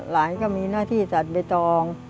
หลานก็มีหน้าที่ตัดใบตอง